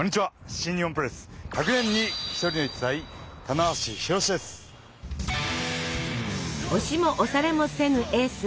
新日本プロレス押しも押されもせぬエース！